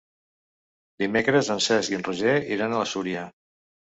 Dimecres en Cesc i en Roger iran a Súria.